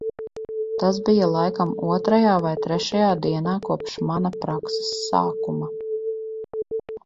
Tas bija laikam otrajā vai trešajā dienā kopš mana prakses sākuma.